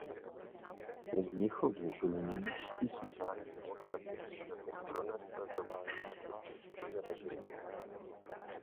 Po Mnichovu byli němečtí sociální demokraté v Sudetech pronásledování nacistickým režimem.